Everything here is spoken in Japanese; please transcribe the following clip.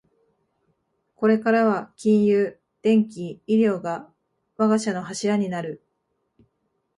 これからは金融、電機、医療が我が社の柱になる